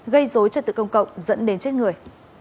gây dối trật tự công cộng dẫn đến chết người